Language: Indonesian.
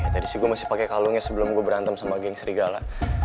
tadi sih gue masih pake kalungnya sebelum gue berantem sama geng serigala